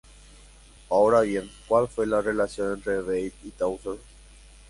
Ahora bien, ¿cuál fue la relación entre Bay y Tausert?